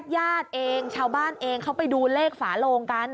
ญาติเองชาวบ้านเองเขาไปดูเลขฝาโลงกัน